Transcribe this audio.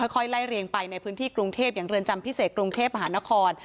ค่อยไล่เรียงไปในพื้นที่กรุงเทพอย่างเรือนจำพิเศษกรุงเทพมหานคร